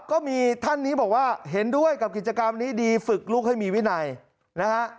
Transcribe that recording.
ก็มีท่านนี้บอกว่าเห็นด้วยกับกิจกรรมนี้ดีฝึกลูกให้มีวินัยนะฮะ